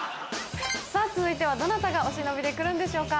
さぁ続いてはどなたがお忍びで来るんでしょうか。